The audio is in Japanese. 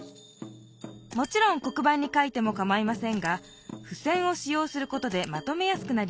もちろん黒ばんに書いてもかまいませんがふせんをし用することでまとめやすくなります。